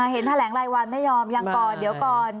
เห็นแถลงรายวันไม่ยอมยังก่อนเดี๋ยวก่อน